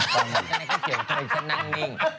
ก็เลยเขาเจียบก็เลยฉันนั่งนิ่ง